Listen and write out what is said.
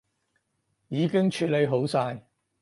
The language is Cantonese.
已經處理好晒